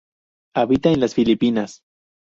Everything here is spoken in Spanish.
Habita en las Filipinas.